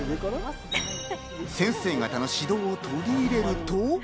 先生方の指導を取り入れると。